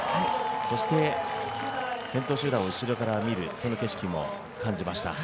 そして先頭集団を後ろから見る、その景色も感じました。